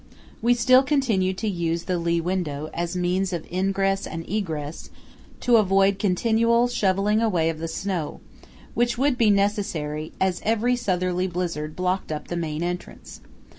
We still continued to use the lee window as means of ingress and egress to avoid continual shovelling away of the snow, which would be necessary as every southerly blizzard blocked up the main entrance.